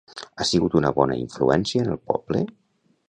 Ha sigut una bona influència en el poble?